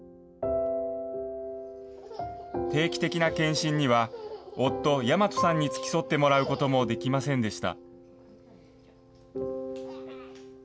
定期的な健診には、夫、大和さんに付き添ってもらうこともできませんでした。